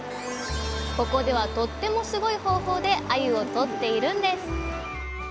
ここではとってもスゴイ方法であゆをとっているんです！